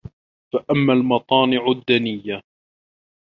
فَأَمَّا الْمَطَامِعُ الدَّنِيَّةُ